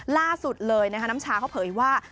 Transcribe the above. ล่าสุดเลยนะคะน้ำชาเขาเผยว่า